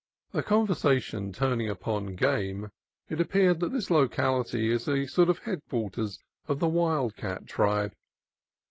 The conversation turning upon game, it appeared that this locality is a sort of headquarters of the wild cat tribe.